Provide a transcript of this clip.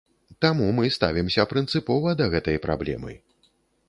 Таму мы ставімся прынцыпова да гэтай праблемы.